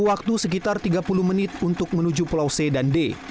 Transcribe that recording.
waktu sekitar tiga puluh menit untuk menuju pulau c dan d